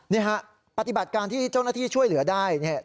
นี่ฮะปฏิบัติการที่เจ้าหน้าที่ช่วยเหลือได้เนี่ย